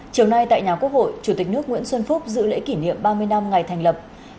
chiều nay tại nhà quốc hội chủ tịch nước nguyễn xuân phúc dự lễ kỷ niệm ba mươi năm ngày thành lập